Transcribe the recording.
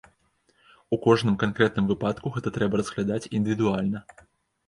У кожным канкрэтным выпадку гэта трэба разглядаць індывідуальна.